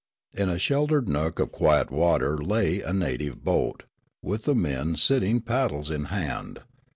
In a sheltered nook of quiet water lay a native boat, with the men sitting paddles in hand.